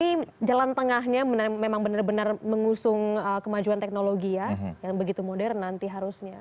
jadi jalan tengahnya memang benar benar mengusung kemajuan teknologi ya yang begitu modern nanti harusnya